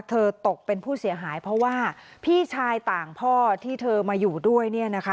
ตกเป็นผู้เสียหายเพราะว่าพี่ชายต่างพ่อที่เธอมาอยู่ด้วยเนี่ยนะคะ